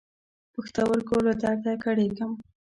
پښتورګو له درد کړېږم.